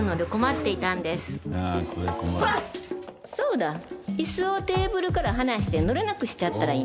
そうだ椅子をテーブルから離して乗れなくしちゃったらいいんだ。